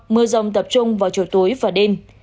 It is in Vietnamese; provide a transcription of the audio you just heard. mưa rông tập trung vào chiều tối và đêm